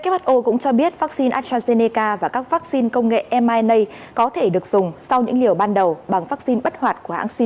who cũng cho biết vaccine astrazeneca và các vaccine công nghệ myna có thể được dùng sau những liều ban đầu bằng vaccine bất hoạt của hãng c